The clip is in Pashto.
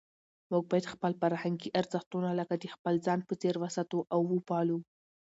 موږ باید خپل فرهنګي ارزښتونه لکه د خپل ځان په څېر وساتو او وپالو.